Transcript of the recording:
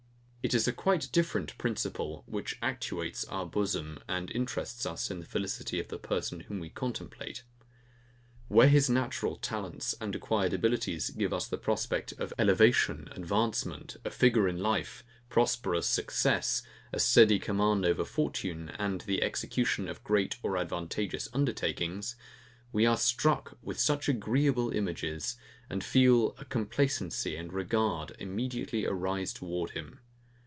It is a quite different principle, which actuates our bosom, and interests us in the felicity of the person whom we contemplate. Where his natural talents and acquired abilities give us the prospect of elevation, advancement, a figure in life, prosperous success, a steady command over fortune, and the execution of great or advantageous undertakings; we are struck with such agreeable images, and feel a complacency and regard immediately arise towards him.